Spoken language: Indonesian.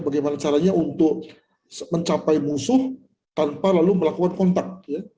bagaimana caranya untuk mencapai musuh tanpa lalu melakukan kontak